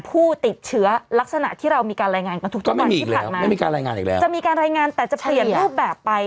ผู้ติดเชื้อลักษณะที่เรามีการรายงานกันถูกต้นที่ผ่านมาจะมีการรายงานแต่จะเปลี่ยนรูปแบบไป